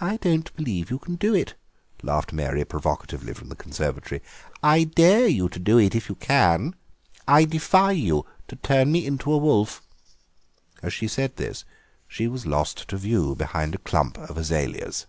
"I don't believe you can do it," laughed Mary provocatively from the conservatory; "I dare you to do it if you can. I defy you to turn me into a wolf." As she said this she was lost to view behind a clump of azaleas.